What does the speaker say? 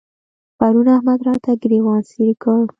پرون احمد راته ګرېوان څيرې کړ.